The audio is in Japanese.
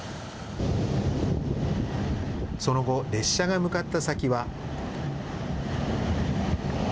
その後、列車が向かった先は。